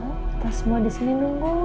kita semua disini nunggu